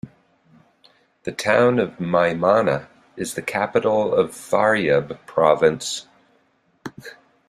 The town of Maymana is the capital of Faryab province.